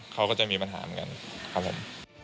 เขาก็จะมีปัญหาเหมือนกันครับผม